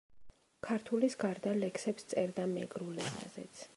ქართულის გარდა, ლექსებს წერდა მეგრულ ენაზეც.